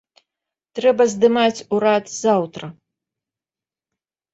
Трэба здымаць урад заўтра.